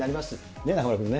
ね、中丸君ね。